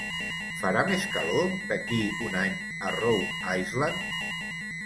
farà més calor d'aquí un any a Rhode Island?